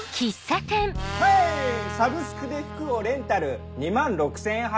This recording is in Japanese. はい「サブスクで服をレンタル２万６０００円払う」？